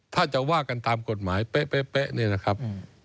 ถ้าจะว่ากันตามกฎหมายเป๊ะเนี่ยนะครับ